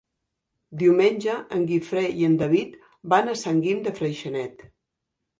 Diumenge en Guifré i en David van a Sant Guim de Freixenet.